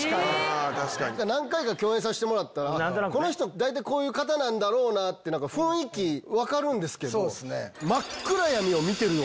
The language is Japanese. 何回か共演させてもらったら大体こういう方なんだろうなって雰囲気分かるんですけど。